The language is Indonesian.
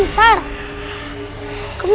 aku mau istirahat sebentar